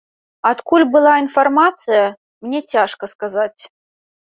Адкуль была інфармацыя, мне цяжка сказаць.